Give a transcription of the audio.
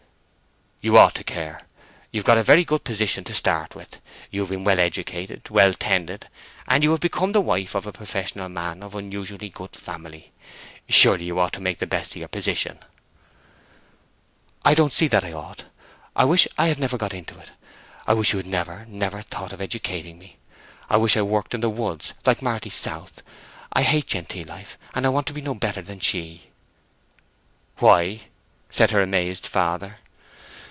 "You ought to care. You have got into a very good position to start with. You have been well educated, well tended, and you have become the wife of a professional man of unusually good family. Surely you ought to make the best of your position." "I don't see that I ought. I wish I had never got into it. I wish you had never, never thought of educating me. I wish I worked in the woods like Marty South. I hate genteel life, and I want to be no better than she." "Why?" said her amazed father.